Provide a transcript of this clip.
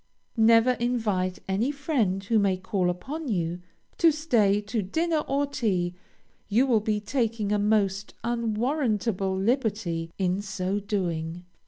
Never invite any friend who may call upon you to stay to dinner or tea; you will be taking a most unwarrantable liberty in so doing.